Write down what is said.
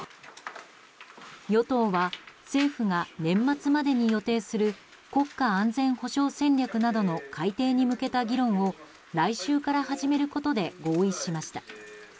与党は政府が年末までに予定する国家安全保障戦略などの改定に向けた議論を来週から始めることで合意しました。